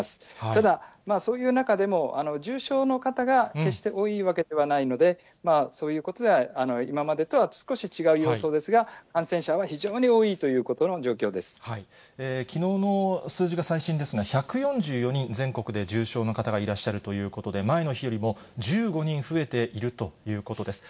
ただ、そういう中でも、重症の方が決して多いわけではないので、そういうことで、今までとは少し違う様相ですが、感染者は非常に多いということのきのうの数字が最新ですが、１４４人、全国で重症の方がいらっしゃるということで、前の日よりも１５人増えているということです。